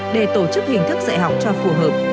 để tổ chức hình thức dạy học cho phù hợp